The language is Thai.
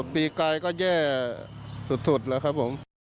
ปีกายก็แย่สุดแล้วครับผม